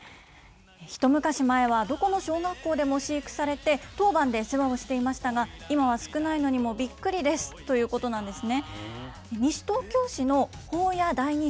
一昔前はどこの小学校でも飼育されて当番で世話をしていましたが、今は少ないのにもびっくりですということなんですね。